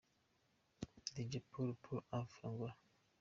Dj Paulo Paulo Alves – Angola.